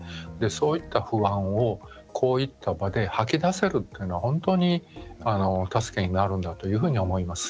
そういった不安をこういう場で吐き出せるというのは本当に助けになるんだというふうに思います。